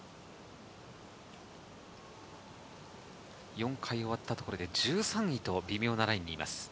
４回終わったところで１３位と微妙なラインにいます。